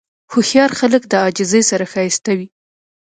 هوښیار خلک د عاجزۍ سره ښایسته وي.